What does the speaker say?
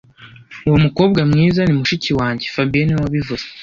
Uwo mukobwa mwiza ni mushiki wanjye fabien niwe wabivuze